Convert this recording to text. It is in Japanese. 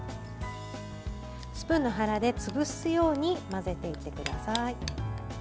スプーンの腹で、潰すように混ぜていってください。